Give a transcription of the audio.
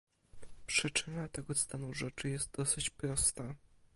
Przyczyna tego stanu rzeczy jest dosyć prosta